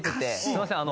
すいません。